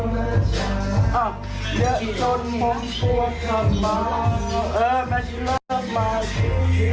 ไม่หยุดนะอันนี้ยังไม่จบนะฮะยาว